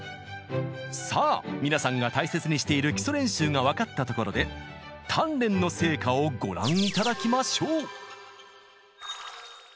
さあ皆さんが大切にしている基礎練習が分かったところで鍛錬の成果をご覧頂きましょう！